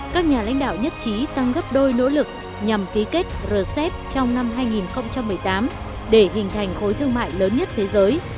các nhà lãnh đạo nhất trí tăng gấp đôi nỗ lực nhằm ký kết rcep trong năm hai nghìn một mươi tám để hình thành khối thương mại lớn nhất thế giới